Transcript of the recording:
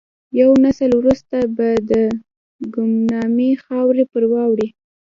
یو نسل وروسته به د ګمنامۍ خاورې پر واوړي.